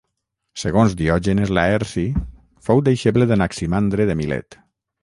Segons Diògenes Laerci, fou deixeble d'Anaximandre de Milet.